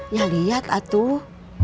ya liat atuh